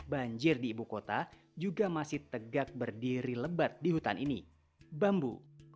banjir di ibu kota juga masih tegak berdiri lebat di hutan ini bambu